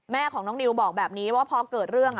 แม่ของน้องนิวบอกแบบนี้ว่าพอเกิดเรื่อง